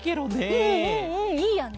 うんうんうんいいよね。